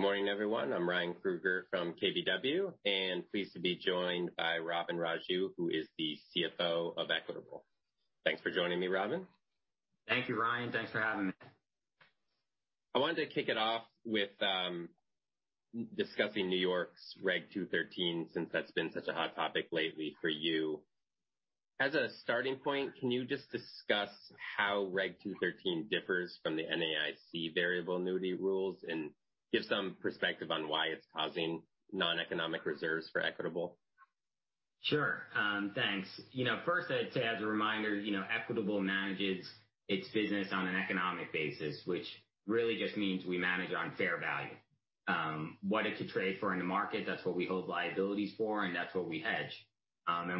Good morning, everyone. I'm Ryan Krueger from KBW. Pleased to be joined by Robin Raju, who is the CFO of Equitable. Thanks for joining me, Robin. Thank you, Ryan. Thanks for having me. I wanted to kick it off with discussing New York's Regulation 213, since that's been such a hot topic lately for you. As a starting point, can you just discuss how Regulation 213 differs from the NAIC variable annuity rules and give some perspective on why it's causing non-economic reserves for Equitable? Sure. Thanks. First, I'd say, as a reminder, Equitable manages its business on an economic basis, which really just means we manage on fair value. What it could trade for in the market, that's what we hold liabilities for, that's what we hedge.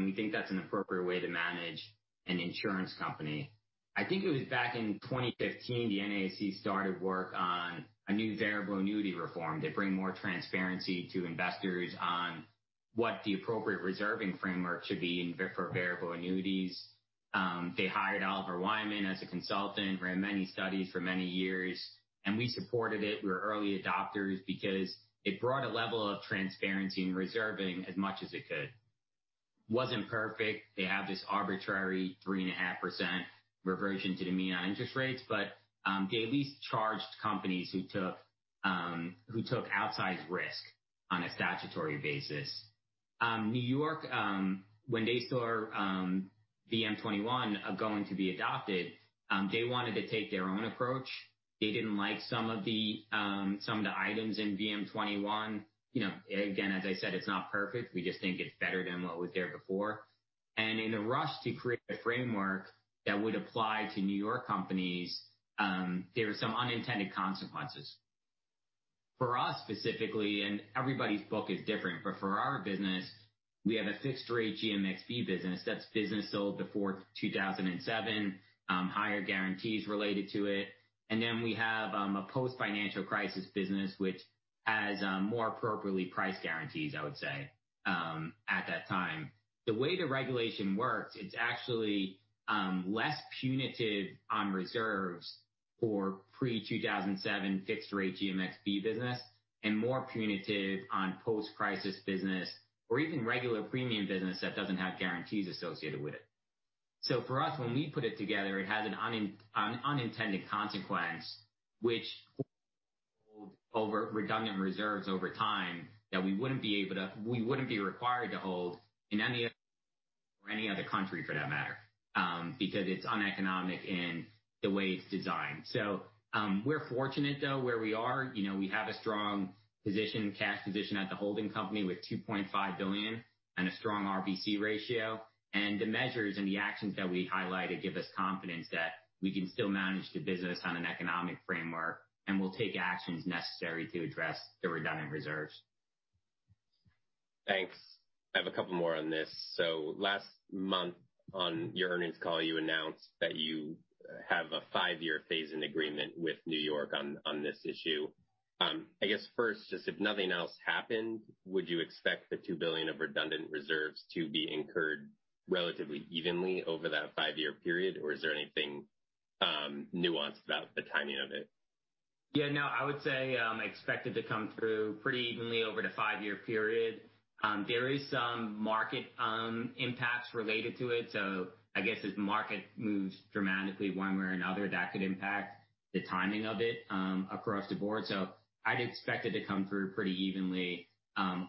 We think that's an appropriate way to manage an insurance company. I think it was back in 2015, the NAIC started work on a new variable annuity reform to bring more transparency to investors on what the appropriate reserving framework should be for variable annuities. They hired Oliver Wyman as a consultant, ran many studies for many years. We supported it. We were early adopters because it brought a level of transparency and reserving as much as it could. Wasn't perfect. They have this arbitrary 3.5% reversion to the mean on interest rates, but they at least charged companies who took outsized risk on a statutory basis. New York, when they saw VM-21 going to be adopted, they wanted to take their own approach. They didn't like some of the items in VM-21. Again, as I said, it's not perfect. We just think it's better than what was there before. In the rush to create a framework that would apply to New York companies, there were some unintended consequences. For us specifically, and everybody's book is different, but for our business, we have a fixed-rate GMXB business. That's business sold before 2007, higher guarantees related to it. Then we have a post-financial crisis business, which has more appropriately priced guarantees, I would say, at that time. The way the regulation works, it's actually less punitive on reserves for pre-2007 fixed-rate GMXB business and more punitive on post-crisis business or even regular premium business that doesn't have guarantees associated with it. For us, when we put it together, it has an unintended consequence, which over redundant reserves over time that we wouldn't be required to hold in any other country for that matter because it's uneconomic in the way it's designed. We're fortunate though where we are. We have a strong cash position at the holding company with $2.5 billion and a strong RBC ratio. The measures and the actions that we highlighted give us confidence that we can still manage the business on an economic framework, and we'll take actions necessary to address the redundant reserves. Thanks. I have a couple more on this. Last month on your earnings call, you announced that you have a five-year phase-in agreement with New York on this issue. I guess first, just if nothing else happened, would you expect the $2 billion of redundant reserves to be incurred relatively evenly over that five-year period, or is there anything nuanced about the timing of it? Yeah. No, I would say expect it to come through pretty evenly over the five-year period. There is some market impacts related to it, I guess as market moves dramatically one way or another, that could impact the timing of it across the board. I'd expect it to come through pretty evenly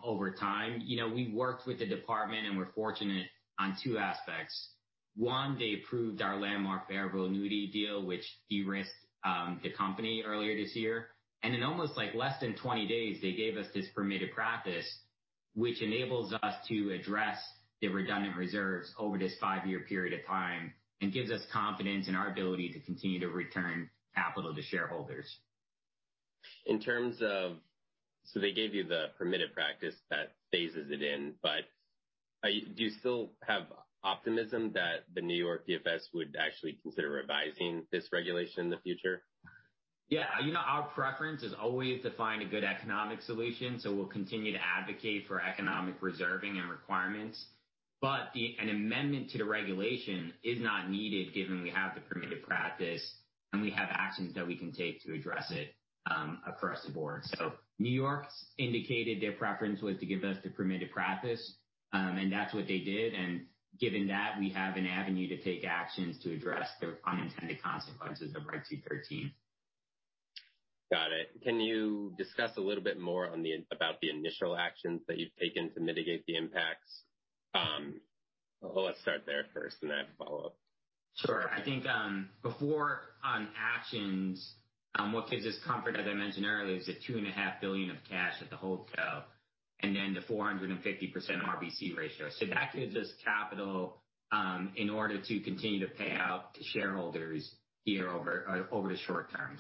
over time. We worked with the department, we're fortunate on two aspects. One, they approved our landmark variable annuity deal, which de-risked the company earlier this year. In almost less than 20 days, they gave us this permitted practice, which enables us to address the redundant reserves over this five-year period of time and gives us confidence in our ability to continue to return capital to shareholders. They gave you the permitted practice that phases it in, do you still have optimism that the New York DFS would actually consider revising this regulation in the future? Yeah. Our preference is always to find a good economic solution. We'll continue to advocate for economic reserving and requirements. An amendment to the regulation is not needed given we have the permitted practice and we have actions that we can take to address it across the board. New York's indicated their preference was to give us the permitted practice, and that's what they did. Given that, we have an avenue to take actions to address the unintended consequences of Regulation 213. Got it. Can you discuss a little bit more about the initial actions that you've taken to mitigate the impacts? Let's start there first, and then follow up. Sure. I think before on actions, what gives us comfort, as I mentioned earlier, is the $2.5 billion of cash at the holdco and then the 450% RBC ratio. That gives us capital in order to continue to pay out to shareholders here over the short term.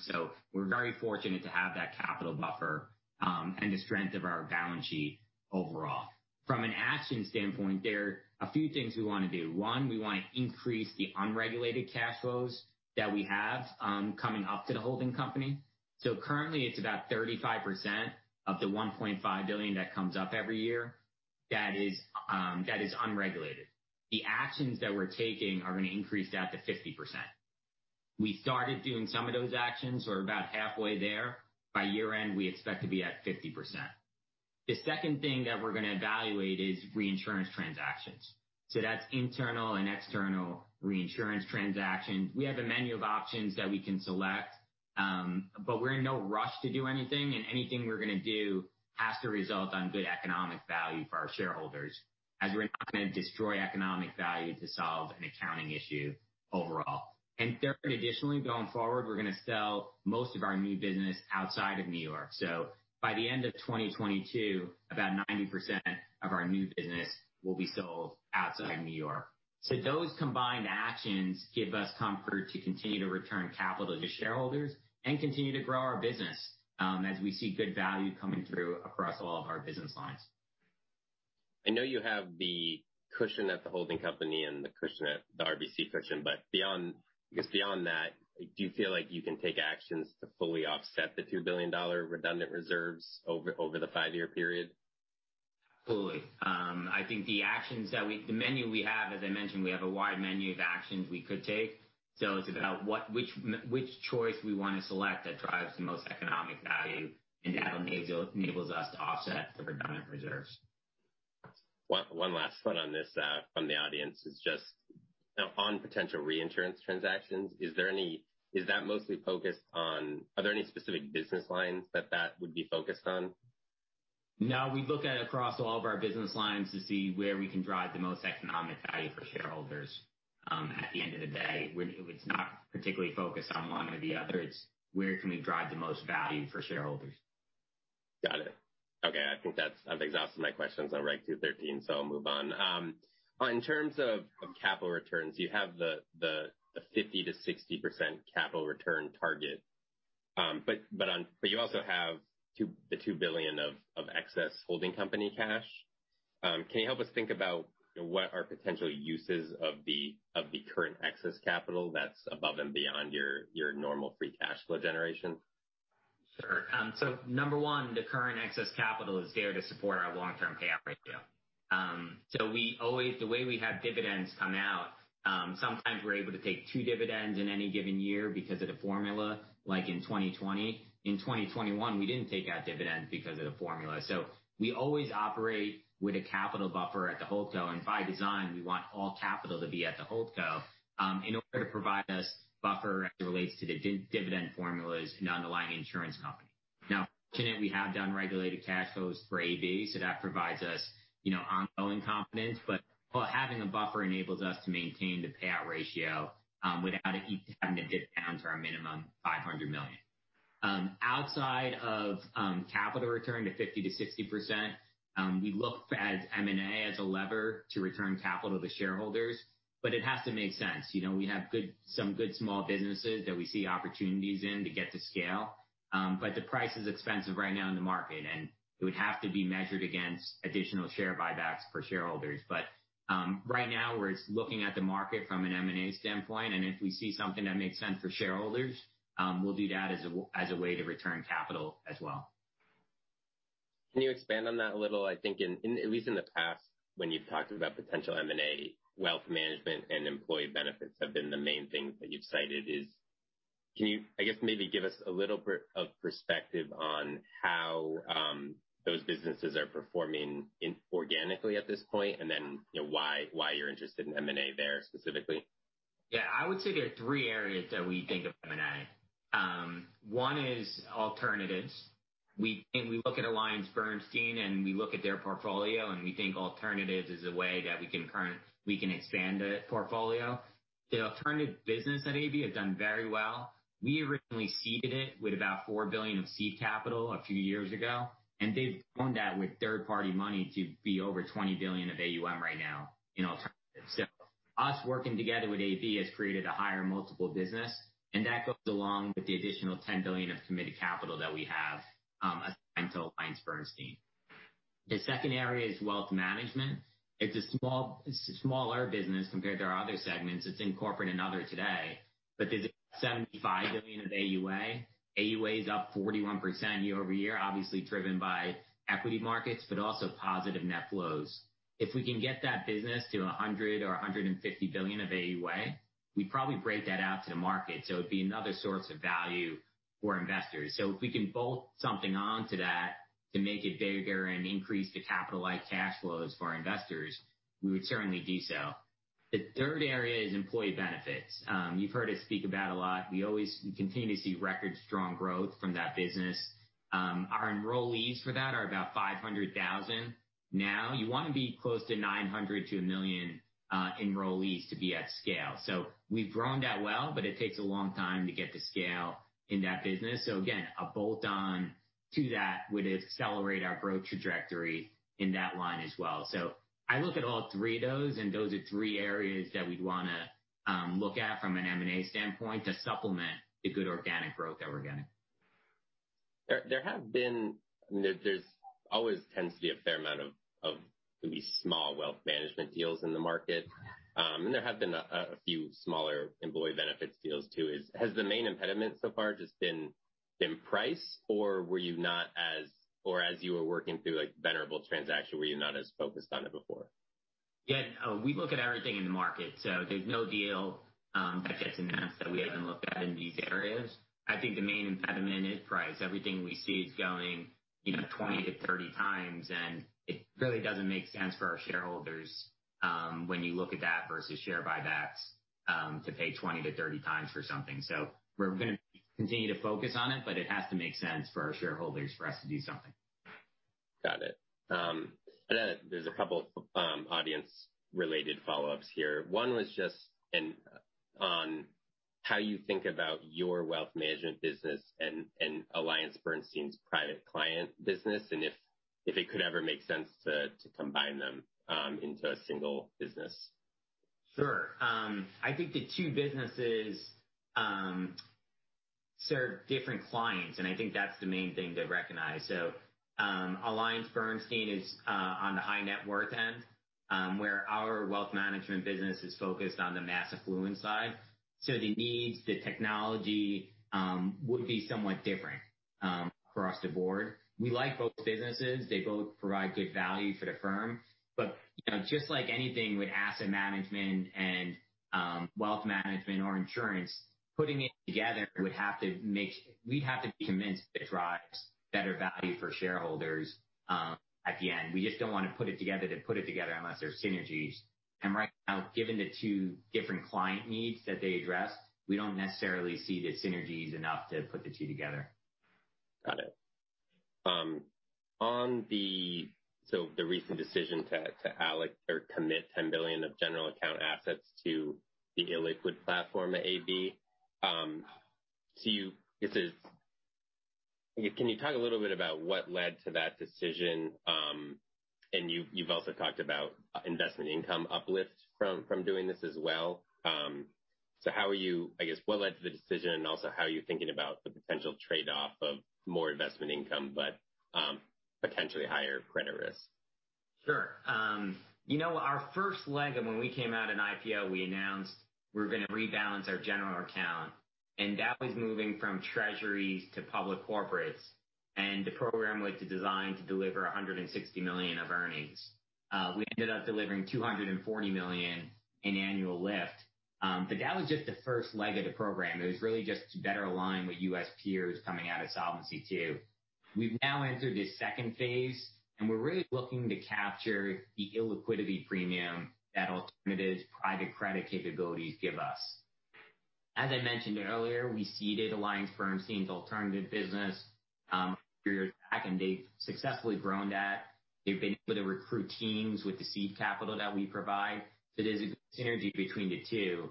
We're very fortunate to have that capital buffer and the strength of our balance sheet overall. From an action standpoint, there are a few things we want to do. One, we want to increase the unregulated cash flows that we have coming up to the holding company. Currently, it's about 35% of the $1.5 billion that comes up every year that is unregulated. The actions that we're taking are going to increase that to 50%. We started doing some of those actions. We're about halfway there. By year-end, we expect to be at 50%. The second thing that we're going to evaluate is reinsurance transactions. That's internal and external reinsurance transactions. We have a menu of options that we can select, but we're in no rush to do anything, and anything we're going to do has to result on good economic value for our shareholders, as we're not going to destroy economic value to solve an accounting issue overall. Third, additionally, going forward, we're going to sell most of our new business outside of N.Y. By the end of 2022, about 90% of our new business will be sold outside N.Y. Those combined actions give us comfort to continue to return capital to shareholders and continue to grow our business as we see good value coming through across all of our business lines. I know you have the cushion at the holding company and the RBC cushion, but I guess beyond that, do you feel like you can take actions to fully offset the $2 billion redundant reserves over the five-year period? Absolutely. I think the menu we have, as I mentioned, we have a wide menu of actions we could take, so it's about which choice we want to select that drives the most economic value, and that enables us to offset the redundant reserves. One last one on this from the audience is just on potential reinsurance transactions. Are there any specific business lines that would be focused on? No, we look at it across all of our business lines to see where we can drive the most economic value for shareholders at the end of the day. It's not particularly focused on one or the other. It's where can we drive the most value for shareholders. Got it. Okay. I think that I've exhausted my questions on Regulation 213. I'll move on. In terms of capital returns, you have the 50%-60% capital return target. You also have the $2 billion of excess holding company cash. Can you help us think about what are potential uses of the current excess capital that's above and beyond your normal free cash flow generation? Sure. Number one, the current excess capital is there to support our long-term payout ratio. The way we have dividends come out, sometimes we're able to take two dividends in any given year because of the formula, like in 2020. In 2021, we didn't take out dividends because of the formula. We always operate with a capital buffer at the holdco, and by design, we want all capital to be at the holdco, in order to provide us buffer as it relates to the dividend formulas in underlying insurance company. Now, fortunately, we have unregulated cash flows for AB. That provides us ongoing confidence. Having a buffer enables us to maintain the payout ratio without having to get down to our minimum $500 million. Outside of capital return to 50%-60%, we look at M&A as a lever to return capital to shareholders. It has to make sense. We have some good small businesses that we see opportunities in to get to scale. The price is expensive right now in the market, and it would have to be measured against additional share buybacks for shareholders. Right now, we're looking at the market from an M&A standpoint, and if we see something that makes sense for shareholders, we'll do that as a way to return capital as well. Can you expand on that a little? I think, at least in the past when you've talked about potential M&A, wealth management and employee benefits have been the main things that you've cited. Can you, I guess maybe give us a little bit of perspective on how those businesses are performing organically at this point, and then why you're interested in M&A there specifically? I would say there are 3 areas that we think of M&A. One is alternatives. We look at AllianceBernstein, and we look at their portfolio, and we think alternatives is a way that we can expand the portfolio. The alternative business at AB has done very well. We originally seeded it with about $4 billion of seed capital a few years ago, and they've grown that with third-party money to be over $20 billion of AUM right now in alternatives. Us working together with AB has created a higher multiple business, and that goes along with the additional $10 billion of committed capital that we have assigned to AllianceBernstein. The second area is wealth management. It's a smaller business compared to our other segments. It's in corporate and other today, but there's $75 billion of AUA. AUA is up 41% year-over-year, obviously driven by equity markets, but also positive net flows. If we can get that business to $100 billion or $150 billion of AUA, we'd probably break that out to the market, so it'd be another source of value for investors. If we can bolt something onto that to make it bigger and increase the capitalized cash flows for our investors, we would certainly do so. The 3rd area is employee benefits. You've heard us speak about a lot. We continue to see record strong growth from that business. Our enrollees for that are about 500,000 now. You want to be close to 900,000 to 1 million enrollees to be at scale. We've grown that well, but it takes a long time to get to scale in that business. Again, a bolt-on to that would accelerate our growth trajectory in that line as well. I look at all 3 of those, and those are 3 areas that we'd want to look at from an M&A standpoint to supplement the good organic growth that we're getting. There always tends to be a fair amount of these small wealth management deals in the market. There have been a few smaller employee benefits deals too. Has the main impediment so far just been price, or as you were working through Venerable transaction, were you not as focused on it before? Yeah. We look at everything in the market, there's no deal that gets announced that we haven't looked at in these areas. I think the main impediment is price. Everything we see is going 20 to 30 times, and it really doesn't make sense for our shareholders when you look at that versus share buybacks, to pay 20 to 30 times for something. We're going to continue to focus on it, but it has to make sense for our shareholders for us to do something. Got it. There's a couple audience related follow-ups here. One was just on how you think about your wealth management business and AllianceBernstein's private client business, and if it could ever make sense to combine them into a single business. Sure. I think the two businesses serve different clients, and I think that's the main thing to recognize. AllianceBernstein is on the high net worth end, where our wealth management business is focused on the mass affluent side. The needs, the technology would be somewhat different across the board. We like both businesses. They both provide good value for the firm. Just like anything with asset management and wealth management or insurance, putting it together, we'd have to be convinced it drives better value for shareholders at the end. We just don't want to put it together to put it together unless there's synergies. Right now, given the two different client needs that they address, we don't necessarily see the synergies enough to put the two together. Got it. The recent decision to commit $10 billion of general account assets to the illiquid platform at AB. Can you talk a little bit about what led to that decision? You've also talked about investment income uplift from doing this as well. I guess what led to the decision, and also how are you thinking about the potential trade-off of more investment income, but potentially higher credit risk? Sure. Our first leg of when we came out in IPO, we announced we were going to rebalance our general account, that was moving from treasuries to public corporates. The program was designed to deliver $160 million of earnings. We ended up delivering $240 million in annual lift. That was just the first leg of the program. It was really just to better align with U.S. peers coming out of Solvency II. We've now entered this second phase, we're really looking to capture the illiquidity premium that alternatives private credit capabilities give us. As I mentioned earlier, we seeded AllianceBernstein's alternative business a few years back, they've successfully grown that. They've been able to recruit teams with the seed capital that we provide. There's a good synergy between the two.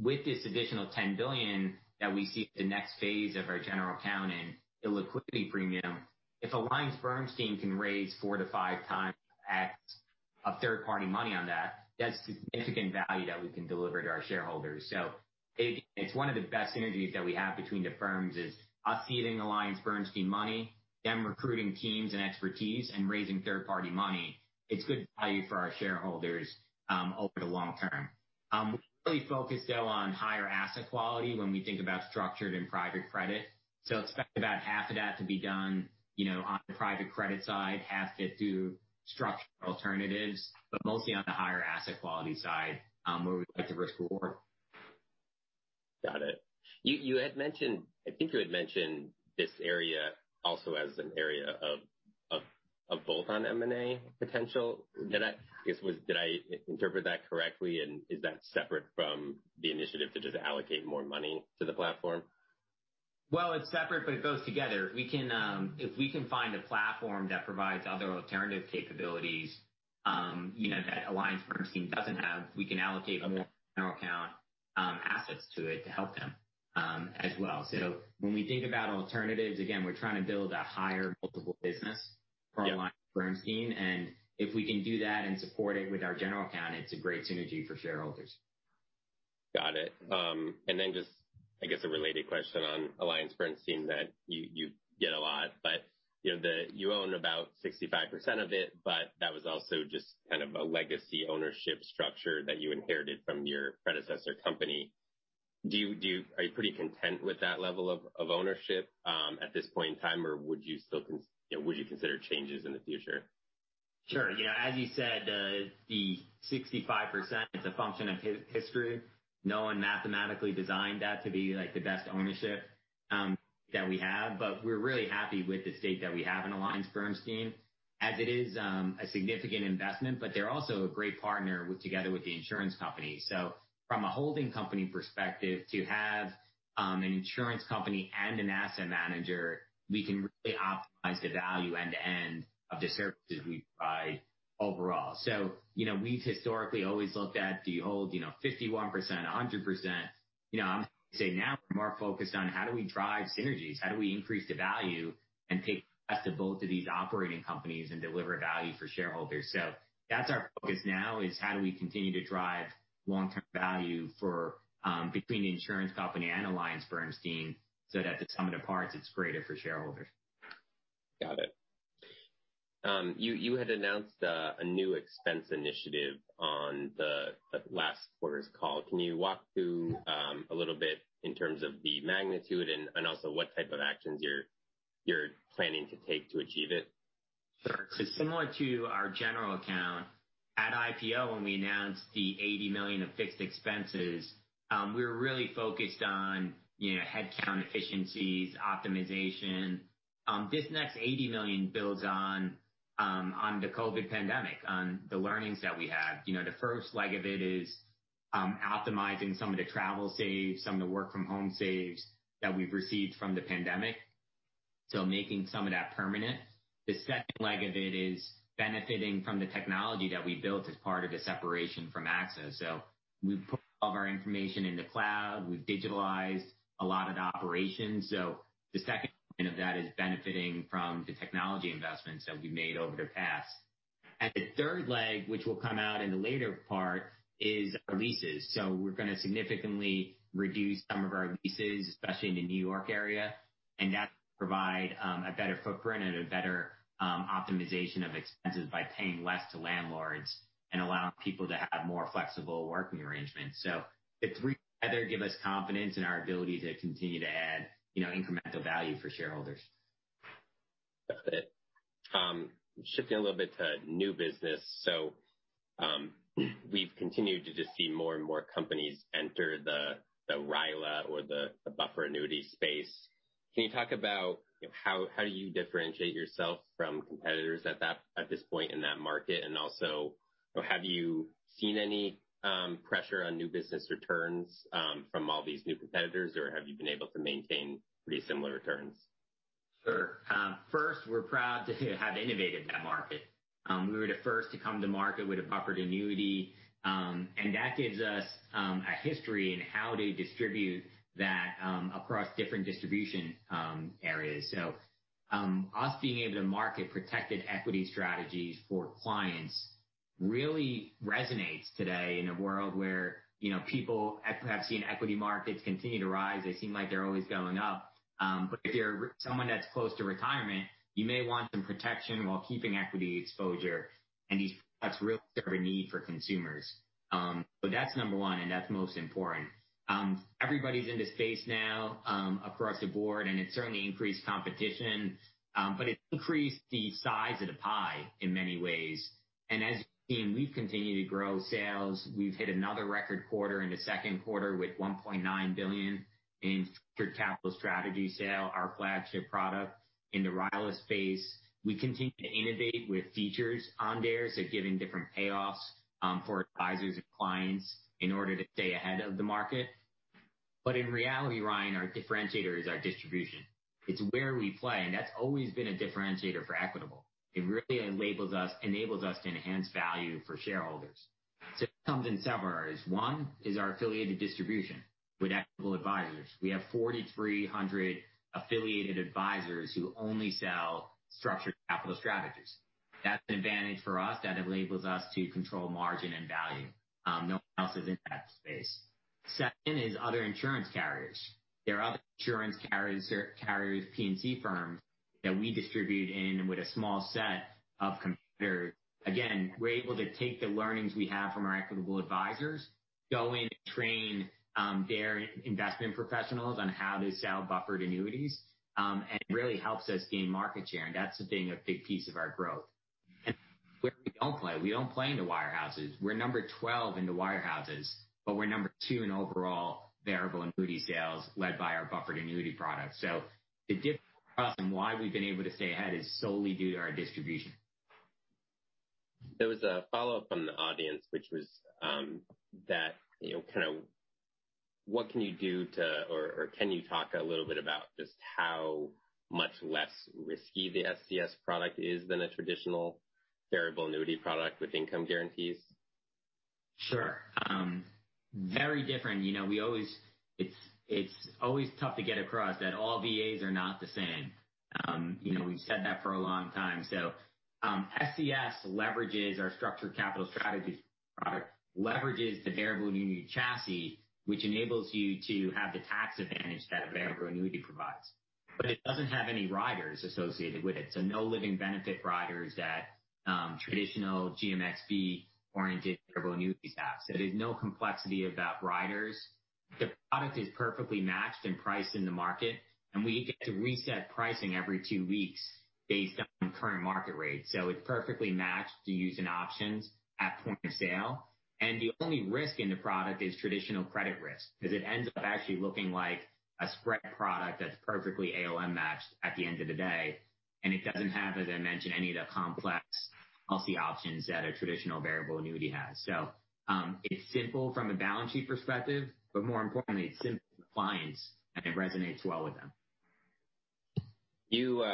With this additional $10 billion that we see as the next phase of our general account in illiquidity premium, if AllianceBernstein can raise 4 to 5x of third-party money on that's significant value that we can deliver to our shareholders. It's one of the best synergies that we have between the firms is us seeding AllianceBernstein money, them recruiting teams and expertise, and raising third-party money. It's good value for our shareholders over the long term. We're really focused, though, on higher asset quality when we think about structured and private credit. Expect about half of that to be done on the private credit side, half get to structural alternatives, but mostly on the higher asset quality side, where we like the risk reward. Got it. I think you had mentioned this area also as an area of bolt-on M&A potential. Did I interpret that correctly? Is that separate from the initiative to just allocate more money to the platform? It's separate, but it goes together. If we can find a platform that provides other alternative capabilities that AllianceBernstein doesn't have, we can allocate more general account assets to it to help them as well. When we think about alternatives, again, we're trying to build a higher multiple business for AllianceBernstein, and if we can do that and support it with our general account, it's a great synergy for shareholders. Got it. Just, I guess, a related question on AllianceBernstein that you get a lot. You own about 65% of it, but that was also just kind of a legacy ownership structure that you inherited from your predecessor company. Are you pretty content with that level of ownership at this point in time, or would you consider changes in the future? Sure. As you said, the 65% is a function of history. No one mathematically designed that to be the best ownership that we have. We're really happy with the stake that we have in AllianceBernstein, as it is a significant investment, but they're also a great partner together with the insurance company. From a holding company perspective, to have an insurance company and an asset manager, we can really optimize the value end to end of the services we provide overall. We've historically always looked at do you hold 51%, 100%? I'm saying now we're more focused on how do we drive synergies, how do we increase the value and take the best of both of these operating companies and deliver value for shareholders. That's our focus now is how do we continue to drive long-term value between the insurance company and AllianceBernstein so that the sum of the parts is greater for shareholders. Got it. You had announced a new expense initiative quarters call. Can you walk through a little bit in terms of the magnitude and also what type of actions you're planning to take to achieve it? Sure. Similar to our general account, at IPO, when we announced the $80 million of fixed expenses, we were really focused on headcount efficiencies, optimization. This next $80 million builds on the COVID pandemic, on the learnings that we had. The first leg of it is optimizing some of the travel saves, some of the work from home saves that we've received from the pandemic. Making some of that permanent. The second leg of it is benefiting from the technology that we built as part of the separation from AXA. We've put all of our information in the cloud. We've digitalized a lot of the operations. The second point of that is benefiting from the technology investments that we've made over the past. The third leg, which will come out in the later part, is our leases. We're going to significantly reduce some of our leases, especially in the New York area, and that will provide a better footprint and a better optimization of expenses by paying less to landlords and allowing people to have more flexible working arrangements. The three together give us confidence in our ability to continue to add incremental value for shareholders. Got it. Shifting a little bit to new business. We've continued to just see more and more companies enter the RILA or the buffered annuity space. Can you talk about how do you differentiate yourself from competitors at this point in that market? Also, have you seen any pressure on new business returns from all these new competitors, or have you been able to maintain pretty similar returns? Sure. First, we're proud to have innovated that market. We were the first to come to market with a buffered annuity. That gives us a history in how to distribute that across different distribution areas. Us being able to market protected equity strategies for clients really resonates today in a world where people have seen equity markets continue to rise. They seem like they're always going up. If you're someone that's close to retirement, you may want some protection while keeping equity exposure, and that's really serve a need for consumers. That's number one, and that's most important. Everybody's in the space now across the board, and it's certainly increased competition, but it's increased the size of the pie in many ways. As you've seen, we've continued to grow sales. We've hit another record quarter in the second quarter with $1.9 billion in Structured Capital Strategies sale, our flagship product in the RILA space. We continue to innovate with features on there, so giving different payoffs for advisors and clients in order to stay ahead of the market. In reality, Ryan, our differentiator is our distribution. It's where we play, and that's always been a differentiator for Equitable. It really enables us to enhance value for shareholders. It comes in several areas. One is our affiliated distribution with Equitable Advisors. We have 4,300 affiliated advisors who only sell Structured Capital Strategies. That's an advantage for us that enables us to control margin and value. No one else is in that space. Second is other insurance carriers. There are other insurance carriers or P&C firms that we distribute in with a small set of competitors. Again, we're able to take the learnings we have from our Equitable Advisors, go in and train their investment professionals on how to sell buffered annuities, and it really helps us gain market share, and that's been a big piece of our growth. Where we don't play, we don't play in the wirehouses. We're number 12 in the wirehouses, but we're number two in overall variable annuity sales led by our buffered annuity product. The difference and why we've been able to stay ahead is solely due to our distribution. There was a follow-up from the audience, which was that can you talk a little bit about just how much less risky the SCS product is than a traditional variable annuity product with income guarantees? Sure. Very different. It is always tough to get across that all VAs are not the same. We have said that for a long time. SCS leverages our Structured Capital Strategies product, leverages the variable annuity chassis, which enables you to have the tax advantage that a variable annuity provides. It does not have any riders associated with it. No living benefit riders that traditional GMXB oriented variable annuities have. There is no complexity about riders. The product is perfectly matched and priced in the market, and we get to reset pricing every two weeks based on current market rates. It is perfectly matched to use in options at point of sale. The only risk in the product is traditional credit risk, because it ends up actually looking like a spread product that is perfectly AUM matched at the end of the day. It does not have, as I mentioned, any of the complex ALM options that a traditional variable annuity has. It is simple from a balance sheet perspective, but more importantly, it is simple to clients and it resonates well with them. You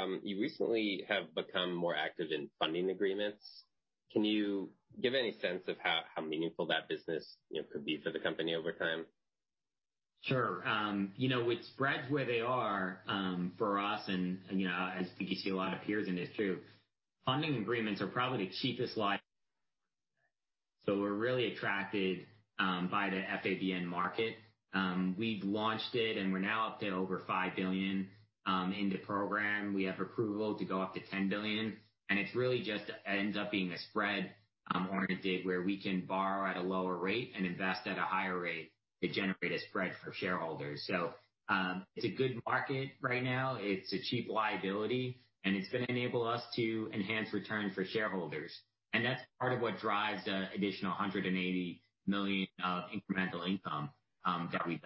recently have become more active in funding agreements. Can you give any sense of how meaningful that business could be for the company over time? Sure. With spreads where they are for us and I think you see a lot of peers in this too, funding agreements are probably the cheapest. We are really attracted by the FABN market. We have launched it. We are now up to over $5 billion in the program. We have approval to go up to $10 billion. It really just ends up being a spread-oriented where we can borrow at a lower rate and invest at a higher rate to generate a spread for shareholders. It is a good market right now, it is a cheap liability. It is going to enable us to enhance return for shareholders. That is part of what drives the additional $180 million of incremental income that we have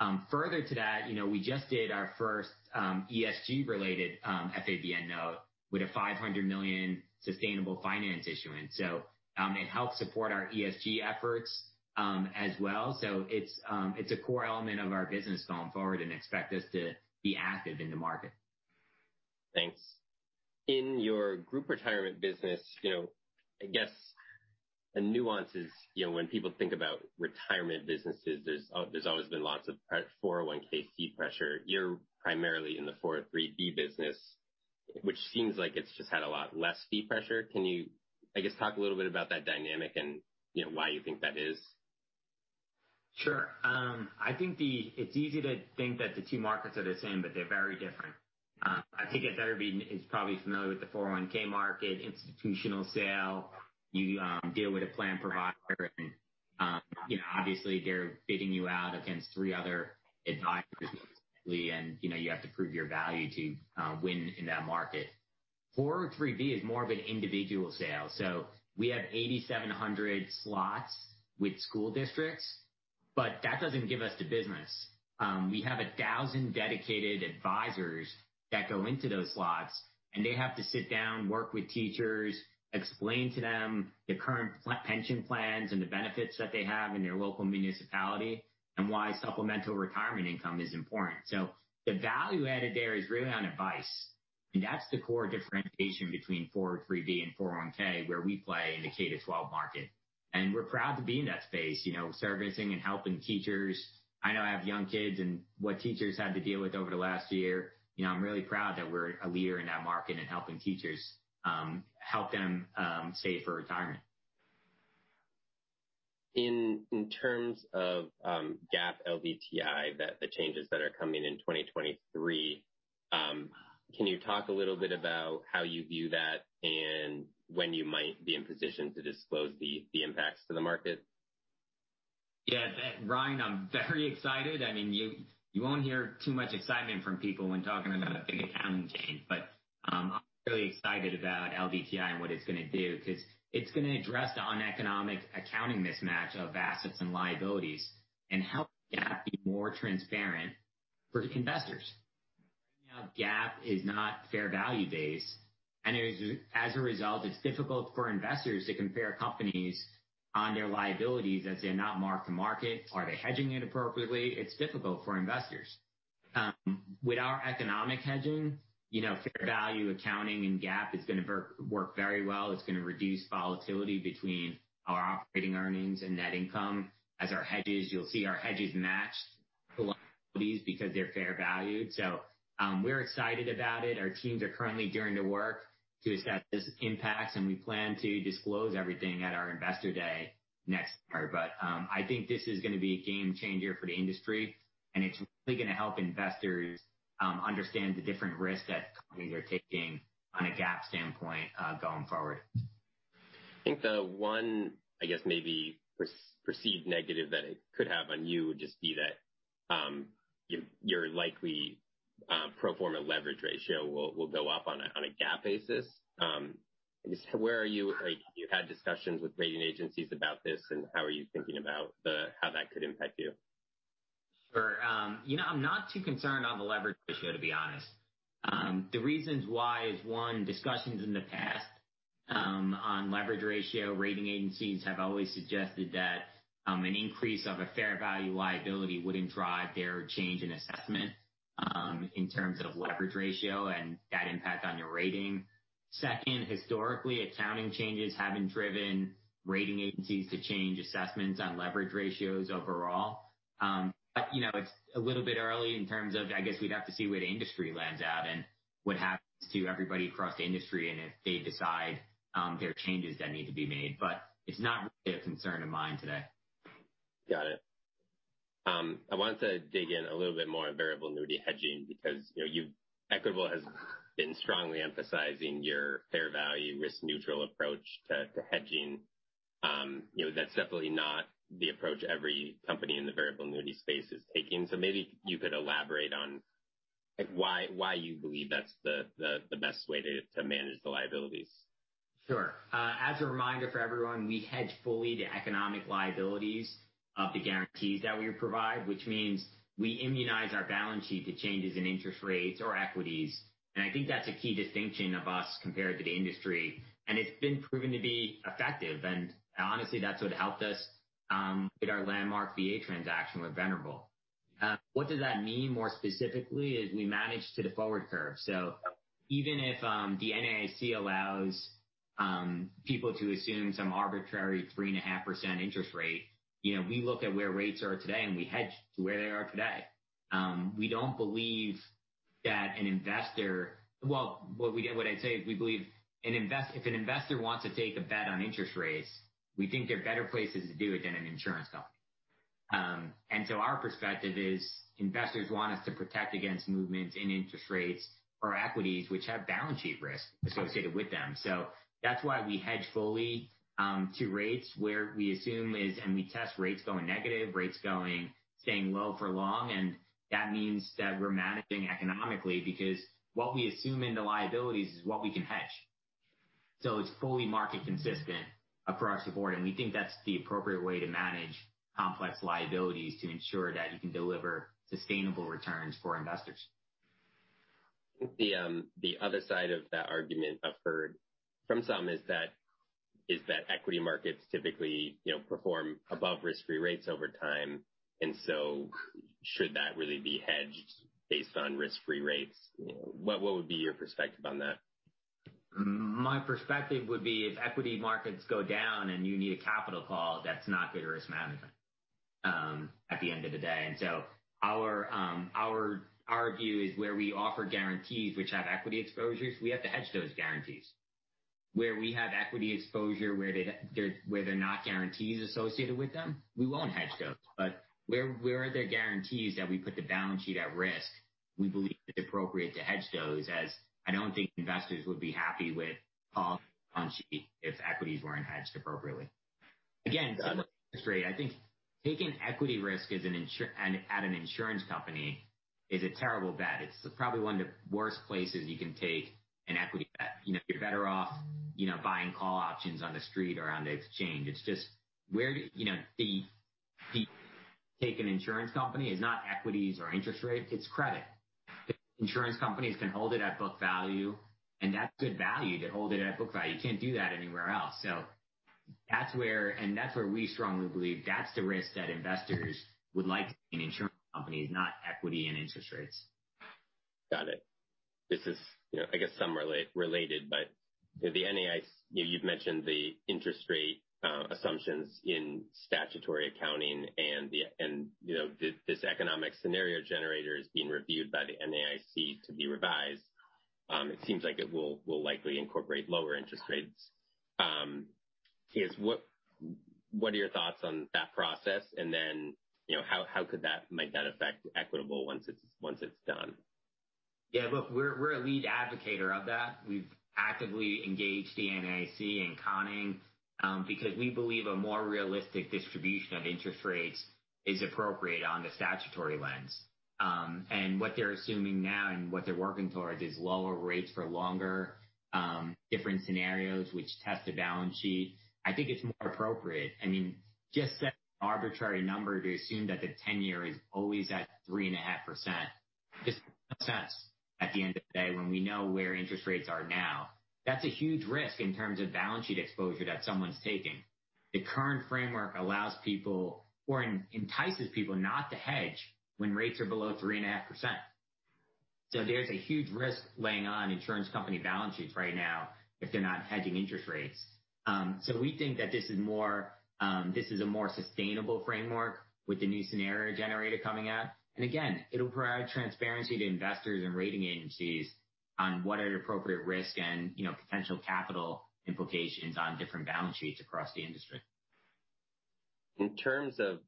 done. Further to that, we just did our first ESG related FABN note with a $500 million sustainable finance issuance. It helps support our ESG efforts as well. It's a core element of our business going forward and expect us to be active in the market. Thanks. In your group retirement business, I guess a nuance is when people think about retirement businesses, there's always been lots of 401 fee pressure. You're primarily in the 403 business, which seems like it's just had a lot less fee pressure. Can you, I guess, talk a little bit about that dynamic and why you think that is? Sure. I think it's easy to think that the two markets are the same, but they're very different. I think everybody is probably familiar with the 401 market, institutional sale. You deal with a plan provider, and obviously they're bidding you out against three other advisors basically, and you have to prove your value to win in that market. 403 is more of an individual sale. We have 8,700 slots with school districts, but that doesn't give us the business. We have 1,000 dedicated advisors that go into those slots, and they have to sit down, work with teachers, explain to them the current pension plans and the benefits that they have in their local municipality, and why supplemental retirement income is important. The value added there is really on advice, and that's the core differentiation between 403 and 401, where we play in the K to 12 market. We're proud to be in that space servicing and helping teachers. I know I have young kids and what teachers had to deal with over the last year, I'm really proud that we're a leader in that market in helping teachers, help them save for retirement. In terms of GAAP LDTI, the changes that are coming in 2023, can you talk a little bit about how you view that and when you might be in position to disclose the impacts to the market? Yeah, Ryan, I'm very excited. You won't hear too much excitement from people when talking about a big accounting change, but I'm really excited about LDTI and what it's going to do because it's going to address the uneconomic accounting mismatch of assets and liabilities and help GAAP be more transparent for investors. Right now, GAAP is not fair value based, and as a result, it's difficult for investors to compare companies on their liabilities as they're not mark-to-market. Are they hedging it appropriately? It's difficult for investors. With our economic hedging, fair value accounting and GAAP, it's going to work very well. It's going to reduce volatility between our operating earnings and net income. As our hedges, you'll see our hedges match the liabilities because they're fair valued. We're excited about it. Our teams are currently doing the work to assess the impacts, we plan to disclose everything at our investor day next quarter. I think this is going to be a game changer for the industry, and it's really going to help investors understand the different risks that companies are taking on a GAAP standpoint going forward. I think the one, I guess maybe perceived negative that it could have on you would just be that your likely pro forma leverage ratio will go up on a GAAP basis. Where are you? Have you had discussions with rating agencies about this, how are you thinking about how that could impact you? Sure. I am not too concerned on the leverage ratio, to be honest. The reasons why is, one, discussions in the past on leverage ratio, rating agencies have always suggested that an increase of a fair value liability wouldn't drive their change in assessment in terms of leverage ratio and that impact on your rating. Second, historically, accounting changes haven't driven rating agencies to change assessments on leverage ratios overall. It is a little bit early in terms of, I guess we would have to see where the industry lands out and what happens to everybody across the industry and if they decide there are changes that need to be made. It is not really a concern of mine today. Got it. I wanted to dig in a little bit more on variable annuity hedging because Equitable has been strongly emphasizing your fair value, risk-neutral approach to hedging. That is definitely not the approach every company in the variable annuity space is taking. Maybe you could elaborate on why you believe that is the best way to manage the liabilities. Sure. As a reminder for everyone, we hedge fully the economic liabilities of the guarantees that we provide, which means we immunize our balance sheet to changes in interest rates or equities. I think that is a key distinction of us compared to the industry, and it has been proven to be effective. Honestly, that is what helped us with our landmark VA transaction with Venerable. What does that mean more specifically is we manage to the forward curve. Even if the NAIC allows people to assume some arbitrary 3.5% interest rate, we look at where rates are today, and we hedge to where they are today. Well, what I would say is we believe if an investor wants to take a bet on interest rates, we think there are better places to do it than an insurance company. Our perspective is investors want us to protect against movements in interest rates or equities which have balance sheet risk associated with them. That is why we hedge fully to rates where we assume is, and we test rates going negative, rates staying low for long, and that means that we are managing economically because what we assume in the liabilities is what we can hedge. It is fully market consistent across the board, and we think that is the appropriate way to manage complex liabilities to ensure that you can deliver sustainable returns for investors. I think the other side of that argument I've heard from some is that equity markets typically perform above risk-free rates over time, should that really be hedged based on risk-free rates? What would be your perspective on that? My perspective would be if equity markets go down and you need a capital call, that's not good risk management at the end of the day. Our view is where we offer guarantees which have equity exposures, we have to hedge those guarantees. Where we have equity exposure where there are not guarantees associated with them, we won't hedge those. Where there are guarantees that we put the balance sheet at risk, we believe it's appropriate to hedge those as I don't think investors would be happy with call if equities weren't hedged appropriately. Again, I think taking equity risk at an insurance company is a terrible bet. It's probably one of the worst places you can take an equity bet. You're better off buying call options on the street or on the exchange. It's just where the take an insurance company is not equities or interest rate, it's credit. Insurance companies can hold it at book value, and that's good value to hold it at book value. You can't do that anywhere else. That's where we strongly believe that's the risk that investors would like to see in insurance companies, not equity and interest rates. Got it. This is I guess somewhat related, the NAIC, you've mentioned the interest rate assumptions in statutory accounting and this economic scenario generator is being reviewed by the NAIC to be revised. It seems like it will likely incorporate lower interest rates. What are your thoughts on that process? How could that might that affect Equitable once it's done? We're a lead advocator of that. We've actively engaged the NAIC and Conning because we believe a more realistic distribution of interest rates is appropriate on the statutory lens. What they're assuming now and what they're working towards is lower rates for longer, different scenarios which test the balance sheet. I think it's more appropriate. Just set an arbitrary number to assume that the 10-year is always at 3.5% just doesn't make sense at the end of the day when we know where interest rates are now. That's a huge risk in terms of balance sheet exposure that someone's taking. The current framework allows people or entices people not to hedge when rates are below 3.5%. There's a huge risk laying on insurance company balance sheets right now if they're not hedging interest rates. We think that this is a more sustainable framework with the new scenario generator coming out. Again, it'll provide transparency to investors and rating agencies on what are appropriate risk and potential capital implications on different balance sheets across the industry. In terms of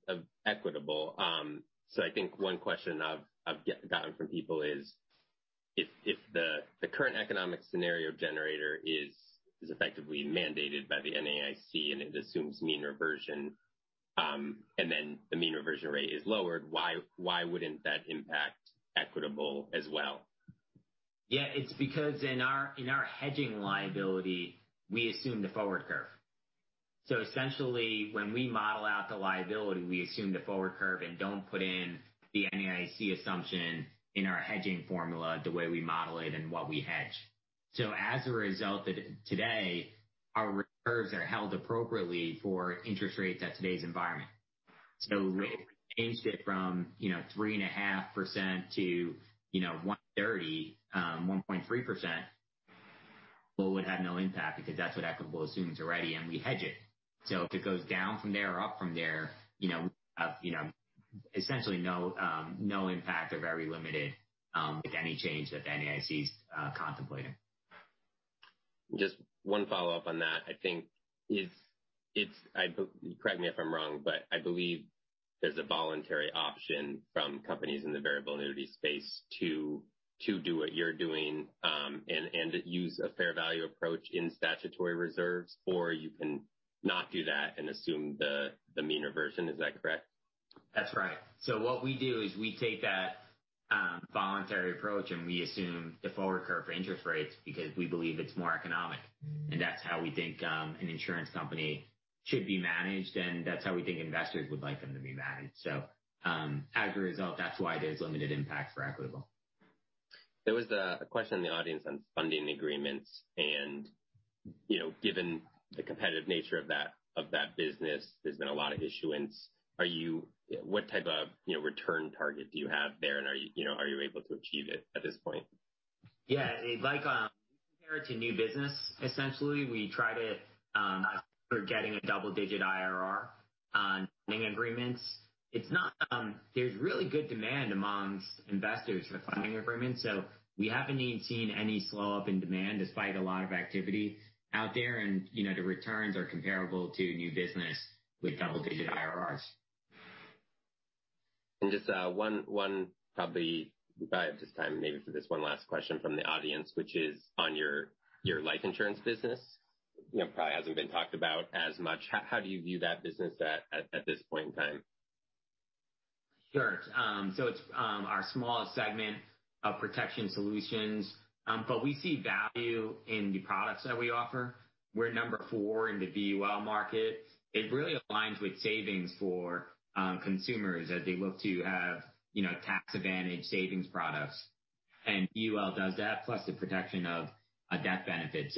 Equitable, I think one question I've gotten from people is if the current economic scenario generator is effectively mandated by the NAIC and it assumes mean reversion, and then the mean reversion rate is lowered, why wouldn't that impact Equitable as well? It's because in our hedging liability, we assume the forward curve. Essentially when we model out the liability, we assume the forward curve and don't put in the NAIC assumption in our hedging formula the way we model it and what we hedge. As a result, today our curves are held appropriately for interest rates at today's environment. Changed it from 3.5% to 1.3%, well, it would have no impact because that's what Equitable assumes already and we hedge it. If it goes down from there or up from there, essentially no impact or very limited with any change that the NAIC's contemplating. Just one follow-up on that. Correct me if I'm wrong, but I believe there's a voluntary option from companies in the variable annuity space to do what you're doing, and use a fair value approach in statutory reserves. You cannot do that and assume the mean reversion. Is that correct? That's right. What we do is we take that voluntary approach and we assume the forward curve for interest rates because we believe it's more economic and that's how we think an insurance company should be managed, and that's how we think investors would like them to be managed. As a result, that's why there's limited impact for Equitable. There was a question in the audience on funding agreements and given the competitive nature of that business, there's been a lot of issuance. What type of return target do you have there and are you able to achieve it at this point? Yeah. Like compare it to new business, essentially, we try to for getting a double-digit IRR on funding agreements. There's really good demand amongst investors for funding agreements, we haven't even seen any slow up in demand despite a lot of activity out there and the returns are comparable to new business with double-digit IRRs. Just one probably, I have just time maybe for this one last question from the audience, which is on your life insurance business. Probably hasn't been talked about as much. How do you view that business at this point in time? Sure. It's our smallest segment of Protection Solutions, but we see value in the products that we offer. We're number four in the VUL market. It really aligns with savings for consumers as they look to have tax advantage savings products and VUL does that plus the protection of a death benefit.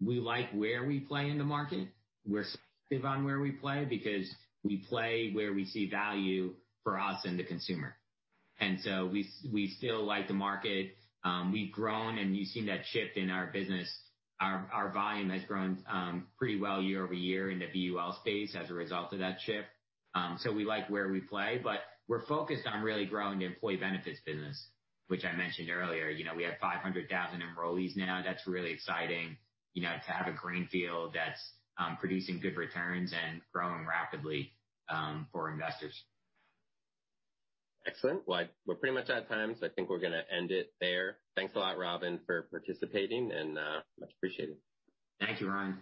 We like where we play in the market. We're selective on where we play because we play where we see value for us and the consumer. We still like the market. We've grown and you've seen that shift in our business. Our volume has grown pretty well year-over-year in the VUL space as a result of that shift. We like where we play, but we're focused on really growing the employee benefits business, which I mentioned earlier. We have 500,000 enrollees now. That's really exciting to have a greenfield that's producing good returns and growing rapidly for investors. Excellent. Well, we're pretty much out of time I think we're going to end it there. Thanks a lot, Robin, for participating and much appreciated. Thank you, Ryan.